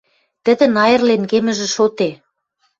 Тӹдӹн айырлен кемӹжӹ шоде.